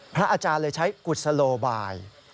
พระอาจารย์เลยใช้กุศโลบาย